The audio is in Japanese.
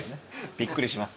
びっくりします。